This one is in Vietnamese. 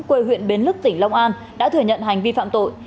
quê huyện bến lức tỉnh long an đã thừa nhận hành vi phạm tội